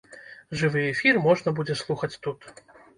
Жывы эфір можна будзе слухаць тут.